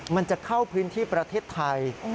มันจะเข้าพื้นที่ประเทศไทย